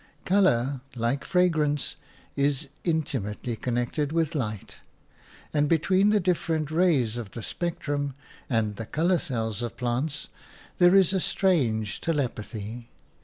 Colour, like fragrance, is intimately connected with light; and between the different rays of the spectrum and the colour cells of plants there is a strange telepathy.